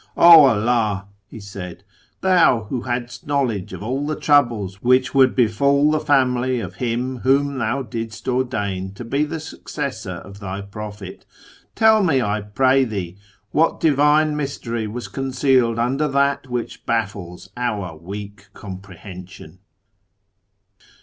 ' 0 Allah !' he said, ' Thou who hadst kuowledize of all the troubles which would befall the family of him whom thou didst ordain to be the successor of Thy Prophet, tell me, I pray Thee, what divine mystery was concealed under that which baffles our weak comprehension